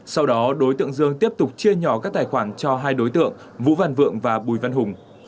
sau đó đối tượng dương tiếp tục chia nhỏ các tài khoản cho hai đối tượng vũ văn vượng và bùi văn hùng